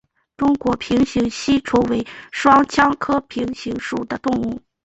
中国平形吸虫为双腔科平形属的动物。